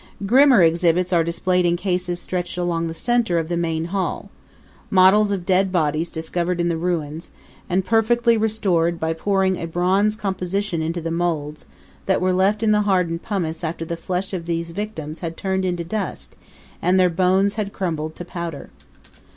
Grimmer exhibits are displayed in cases stretched along the center of the main hall models of dead bodies discovered in the ruins and perfectly restored by pouring a bronze composition into the molds that were left in the hardened pumice after the flesh of these victims had turned to dust and their bones had crumbled to powder.